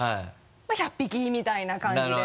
まぁ「１００匹に」みたいな感じで。